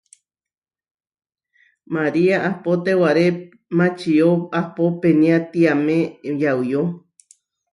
María ahpó tewaré mačió ahpó peniátiame yauyó.